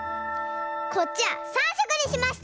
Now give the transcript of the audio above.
こっちは３しょくにしました！